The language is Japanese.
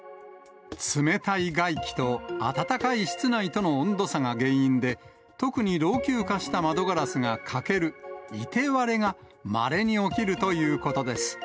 冷たい外気と暖かい室内との温度差が原因で、特に老朽化した窓ガラスが欠ける凍て割れが、まれに起きるということです。